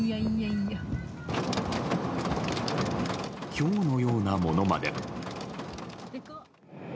ひょうのようなものまで。